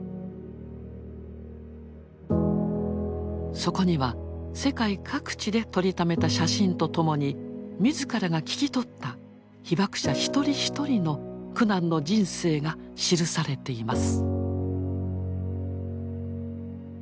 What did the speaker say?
そこには世界各地で撮りためた写真とともに自らが聞き取った被ばく者一人一人の苦難の人生が記されています。